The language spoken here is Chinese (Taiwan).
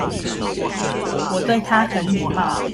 我對他很禮貌